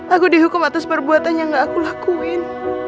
aku dihukum atas perbuatan yang gak aku lakuin